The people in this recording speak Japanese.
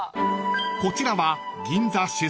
［こちらは］